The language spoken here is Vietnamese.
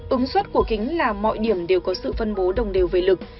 ứng suất của kính là mọi điểm đều có sự phân bố đồng đều về lực